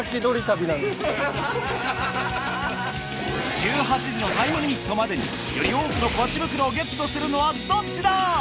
１８時のタイムリミットまでにより多くのポチ袋をゲットするのはどっちだ！？